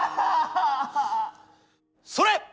それ！